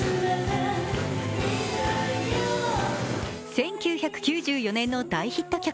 １９９４年の大ヒット曲